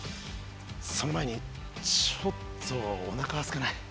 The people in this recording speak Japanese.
その前にちょっとおなかすかない？